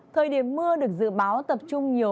thời điểm mưa được dự báo tập trung nhiều